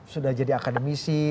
sudah jadi akademisi